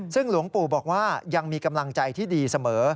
ซึ่งหลวงปู่บอกว่ายังมีกำลังใจที่ดีเสมอ